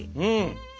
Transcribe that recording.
うん！